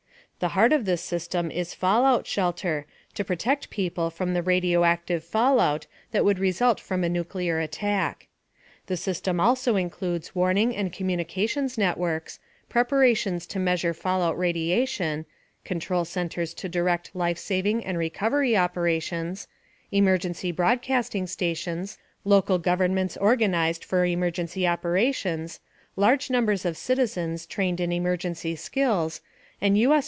The heart of this system is fallout shelter to protect people from the radioactive fallout that would result from a nuclear attack. The system also includes warning and communications networks, preparations to measure fallout radiation, control centers to direct lifesaving and recovery operations, emergency broadcasting stations, local governments organized for emergency operations, large numbers of citizens trained in emergency skills, and U.S.